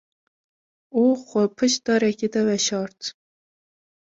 Û xwe di piş darekê de veşart.